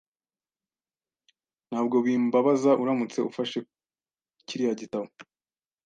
Ntabwo bimbabaza uramutse ufashe kiriya gitabo.